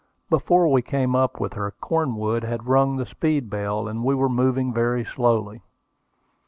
Before we came up with her Cornwood had rung the speed bell, and we were moving very slowly.